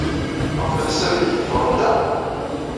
Ɣef leḥsab-nnek, ḍefrent-aɣ-d?